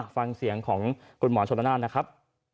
ฟังเสียงของคุณหมอชนละนานนะครับ